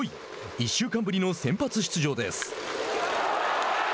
１週間ぶりの先発出場です。